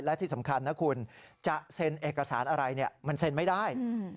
และที่สำคัญนะคุณจะเซ็นเอกสารอะไรมันเซ็นไม่ได้